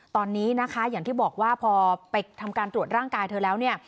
ตอนนี้นะคะอย่างที่บอกว่าพอไปทำการตรวจร่างกายเธอแล้วเนี่ย